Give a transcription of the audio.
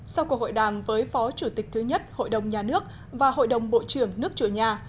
sau cuộc hội đàm với phó chủ tịch thứ nhất hội đồng nhà nước và hội đồng bộ trưởng nước chủ nhà